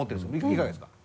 いかがですか？